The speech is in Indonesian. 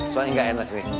soalnya nggak enak nih